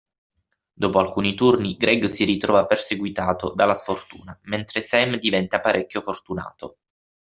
Dopo alcuni turni Greg si ritrova perseguitato dalla sfortuna, mentre Sam diventa parecchio fortunato.